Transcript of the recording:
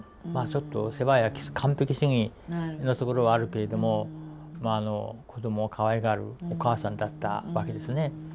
ちょっと世話焼き完璧すぎるところはあるけれども子どもをかわいがるお母さんだったわけですね。